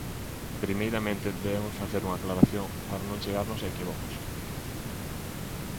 Primeiramente, debemos facer unha aclaración para non chegarmos a equívocos.